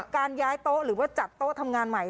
การย้ายโต๊ะหรือว่าจัดโต๊ะทำงานใหม่